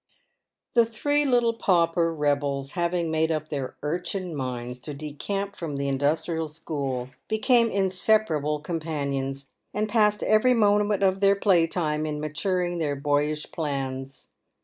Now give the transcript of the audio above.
The three little pauper rebels having made up their urchin minds to decamp from the Industrial School, became inseparable companions, and passed every moment of their play time in maturing their boyish plans.